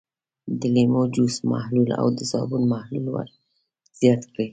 د لیمو جوس محلول او د صابون محلول ور زیات کړئ.